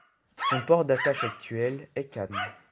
Son port d'attache actuel est Cannes.